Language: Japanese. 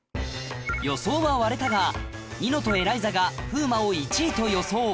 予想は割れたがニノとエライザが風磨を１位と予想